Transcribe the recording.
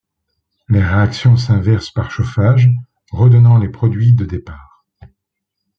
La réaction s'inverse par chauffage, redonnant les produits de départ.